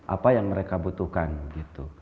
apa yang mereka butuhkan gitu